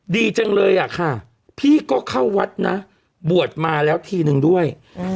ดีจังเลยอะค่ะพี่ก็เข้าวัดนะบวชมาแล้วทีนึงด้วย